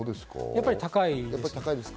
やっぱり高いです。